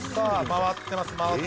回ってます。